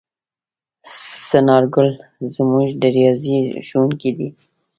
څنارګل زموږ د ریاضي ښؤونکی دی.